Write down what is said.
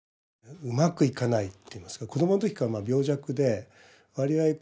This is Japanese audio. うまくいかないって言いますか子どもの時から病弱で割合